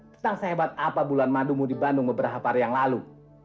tentang sehebat apa bulan madumu di bandung beberapa hari yang lalu